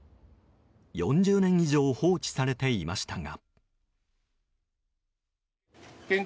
４０年以上放置されていましたが。